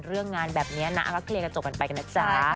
เรื่องงานแบบนี้นะก็เคลียร์กันจบกันไปกันนะจ๊ะ